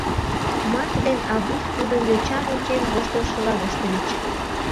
Марк ден Аввус тудым йочам ончен воштылшыла воштыльыч.